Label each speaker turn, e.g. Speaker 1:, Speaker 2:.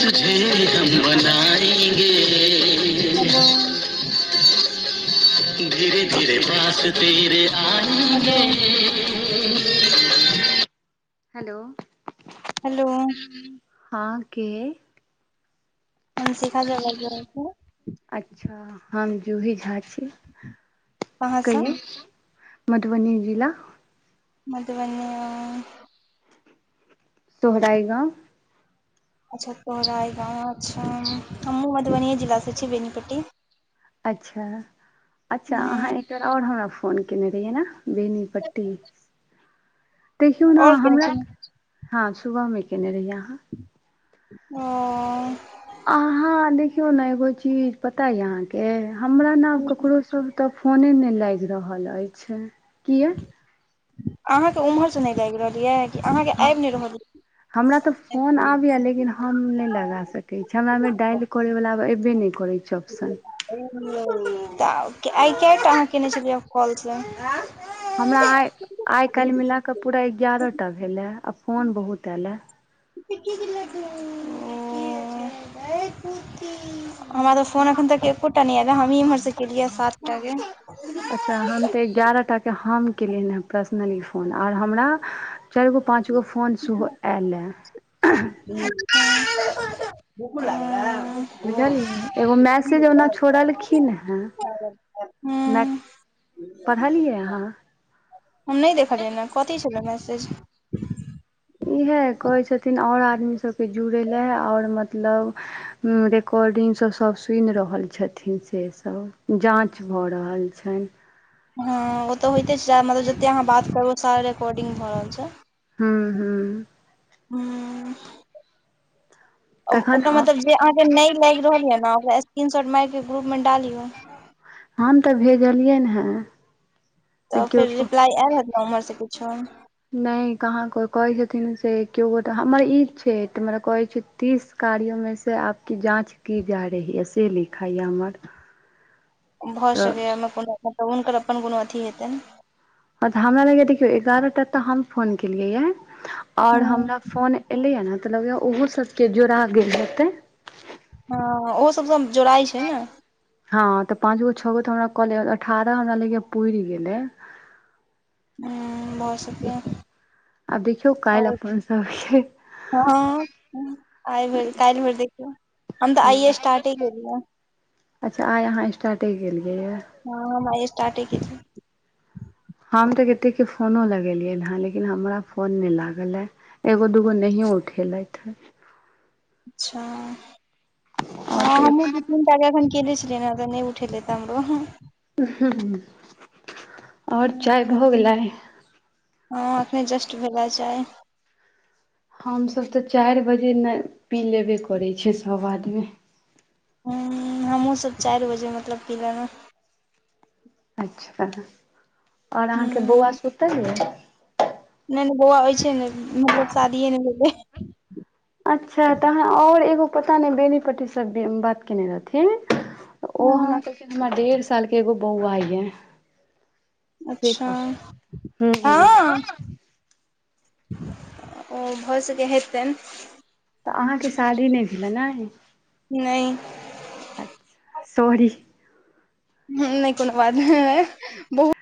Speaker 1: Hello hello
Speaker 2: [inaudible] [inaudible]
Speaker 1: hello
Speaker 2: hello
Speaker 1: hello
Speaker 2: हाँ के
Speaker 1: हम शिखा झा बाइज रहल छी
Speaker 2: अच्छऽ हम जूही झा छी
Speaker 1: कहाँसँ
Speaker 2: कहियो मधुबनी जिला
Speaker 1: मधुबनी यो
Speaker 2: तोहराय गाँव
Speaker 1: अच्छ सोहराय गाँव अच्छा हमहुँ मधुबनीेये जिला से छी बेनीपट्टी।
Speaker 2: अच्छऽ अच्छऽ अहाँ एक दिन आओर हमरा फोन केने रहियै नैय। बेनी पट्टी। देखियौ नैय
Speaker 1: आओर केहन
Speaker 2: हमरा
Speaker 1: छै
Speaker 2: हाँ सुबह मे केने रहियै आहाँ।
Speaker 1: ओ
Speaker 2: अहाँ देखियौ ने एगो चीज पता ये अहाँ के हमरा नऽ आब ककरो स तऽ फोने नहि लागि रहल अछि किया
Speaker 1: अहाँ कऽ उम्हर से ने गाबि रहल यै
Speaker 2: हँ हमरा तऽ फोन आबय ये लेकिन हम नहि लगा सकै छी हमरा मे डाायल करे वला आब एबे नहि करै छैय ऑप्शन
Speaker 1: तऽ आइ कैयटा अहाँ कने छलियैहें कॉल सऽ
Speaker 2: हमरा आइ आइ काल्हि मिलाकऽ पूरा एगारह टा भेल ये आ फोन बहुत ऐल ये
Speaker 1: [unintelligible] ओ हमरा तऽ फोन एखन तक एकोटा नहि ऐल ये हमही इम्हर से केलियैये सात टा के
Speaker 2: अच्छऽ हम तऽ एगारह टा के हम केलियै हँ प्रसनली फोन आर हमरा चारि गो पाँचगो फोन सेहो ऐल यऽ
Speaker 1: [unintelligible] भूखो लागल यऽ
Speaker 2: बुझलही एगो मैसेज ओना छोड़लखिन हेँ
Speaker 1: [unintelligible]
Speaker 2: नैय पढ़लियै अहाँ।
Speaker 1: हम नैय देखलियैन हें कथी छलै मैसेज।
Speaker 2: इहे कहै छथिन्ह आओर आदमी सभके जुड़ै लय आओर मतलब। रिकॉर्डिंग सभ सब सुनि रहल छथिन्ह से सभ जाँच भऽ रहल छैय।
Speaker 1: हँ ओ तऽ होइते छैय जा मतलब जते अहाँ बात के अनुसारे रिकॉर्डिंग भऽ रहल छैय।
Speaker 2: हूँ हूँ
Speaker 1: हूँ
Speaker 2: तखन
Speaker 1: ओकर मतलब जे जे अहाँकेँ नैय लागि रहल ये ने ओकरा स्क्रीन शॉट मारि के ग्रुपमे डालियौ
Speaker 2: आ हम तऽ भेजलियैन हें
Speaker 1: तऽ फेर रिप्लाई ऐल हैत नऽ ओम्हर से किछो
Speaker 2: नहि कहाँ कोय कहै छथिन से केओ गोटा हमर ई छैतऽ हमर कहैय छैय तीस कार्यो में से आप की जाँच की जा रही है से लिखाय ये हमर
Speaker 1: भऽ
Speaker 2: तऽ
Speaker 1: सकैएमे कोनो मतलब हुनकर अपन कोनो अथी हेतै ने
Speaker 2: तऽ हमरा लग देखियौ एगारह टा तऽ हम फोन केलियै यऽ आओर
Speaker 1: हूँ
Speaker 2: हमरा फोन एलै हऽ ने तऽ लगै ओहो सबके जोड़ा गेल हेतै,
Speaker 1: हँ ओहो सब सब जोड़ाइ छै नऽ।
Speaker 2: हँ तऽ पाँच गो छओ गो तऽ हमरा के अठारह हमरा ले पुर गेलै
Speaker 1: भऽ सकैये
Speaker 2: आब देखियौ कालल
Speaker 1: आओर
Speaker 2: अपन सब छै,
Speaker 1: हँ आइ भर काल्हि भर देखियौ हम तऽ आइए स्टार्टे गेलियै
Speaker 2: अच्छा आइ अहाँ स्टार्टे गेलियै यऽ
Speaker 1: हँँ स्टारट ही क
Speaker 2: हम तऽ कतेकके फोनो लगेलियै हेँ लेकिन हमरा फोन नहि लागल हे एगो दूगो नहि उठेलते
Speaker 1: अच्छा
Speaker 2: आओर
Speaker 1: हँ
Speaker 2: कहियौ
Speaker 1: हमहुँ ताके एन केलने छलि ने ओ तऽ नहि उठ लेत हमरोँ
Speaker 2: ह आओर चाय भऽ गेलै।
Speaker 1: हँ एखने जस्ट भेलै चाय
Speaker 2: हमसभ तऽ चारि बजे ने पी लेबे करै छै सभ आदमी
Speaker 1: हुं हमहुँ सब चारि बजे मतलब पिलेलहु,
Speaker 2: अच्छा आओर अहाँके बौआ
Speaker 1: हूँ
Speaker 2: सुतल यऽ
Speaker 1: नहि नहि बौआ होइ छै ने मतलब शादिए नहि भेलै
Speaker 2: अच्छा तऽ अहाँ आओर एगो पता नहि बेनी पट्टीसँ बात केयने रहथिन ओ हमरा
Speaker 1: हँ
Speaker 2: कहलखिन हमरा डेढ़ सालके एगो बौआ यऽ
Speaker 1: अच्छा हँ। ओ भऽ सके हेतनि
Speaker 2: तऽ अहाँके शादी नहि भेलै नै
Speaker 1: नहि।
Speaker 2: सॉरी,
Speaker 1: ह नहि कोनो बात नहि बहुत